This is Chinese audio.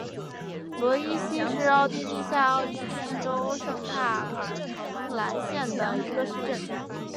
洛伊希是奥地利下奥地利州圣帕尔滕兰县的一个市镇。